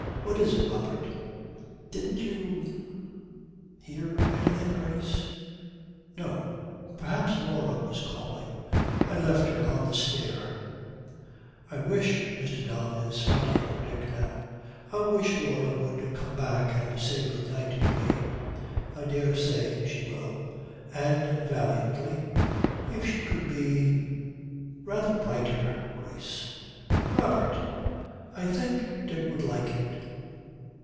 'What is it, Robert?' 'Didn't you hear anything, Grace?' 'No. Perhaps Laura was calling; I left her on the stair.' 'I wish,' Mr. Don is fighting for Dick now, 'I wish Laura would come back and say good night to me.' 'I daresay she will.' 'And,' valiantly, 'if she could be rather brighter, Grace.' 'Robert!' 'I think Dick would like it.'